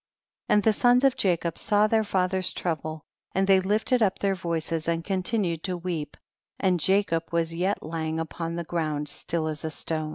33. And the sons of Jacob saw their father's trouble, and they lifted up their voices and continued to weep, and Jacob was yet lying upon the ground still as a stone.